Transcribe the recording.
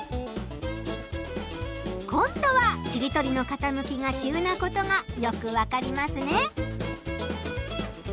今度はちりとりのかたむきが急なことがよくわかりますね！